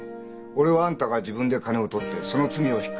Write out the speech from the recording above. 俺はあんたが自分で金を盗ってその罪を引っ